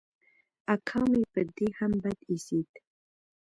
اکا مې په دې هم بد اېسېد.